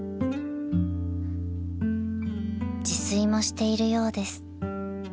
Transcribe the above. ［自炊もしているようです］